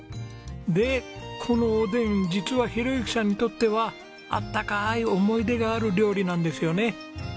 でこのおでん実は宏幸さんにとっては温かい思い出がある料理なんですよね。